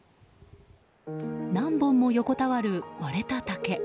何本も横たわる割れた竹。